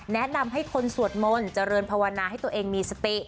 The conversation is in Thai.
แนะนำให้คนสวดมนต์เจริญภาวนาให้ตัวเองมีสติ